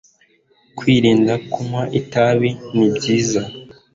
Kwirinda kunywa itabi ni byiza